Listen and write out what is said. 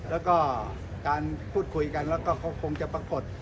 แล้วก็การพูดคุยกันแล้วก็เขาคงจะปรากฏ